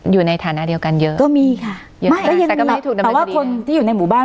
อยู่ในฐานะเดียวกันเยอะก็มีค่ะแต่ก็ไม่ถูกแต่ว่าคนที่อยู่ในหมู่บ้าน